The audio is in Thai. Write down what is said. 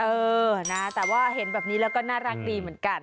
เออนะแต่ว่าเห็นแบบนี้แล้วก็น่ารักดีเหมือนกัน